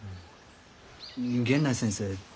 源内先生